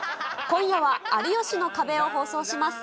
今夜は有吉の壁を放送します。